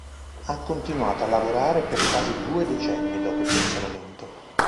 Ha continuato a lavorare per quasi due decenni dopo il pensionamento.